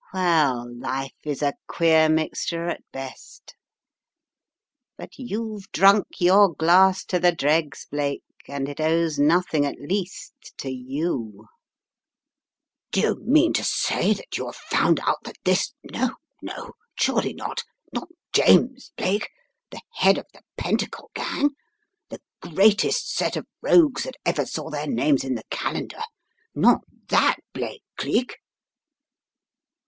Well! life is a queer mixture at best. But you've drunk your glass to the dregs, Blake, and it owes nothing at least to your 9 "Blake" ejaculated Mr. Narkom, "do you mean to say that you have found out — that this — no, no— surely not — not James Blake — the head of the Pent acle gang? The greatest set of rogues that ever saw their names in the calendar. Not that Blake, Cleek?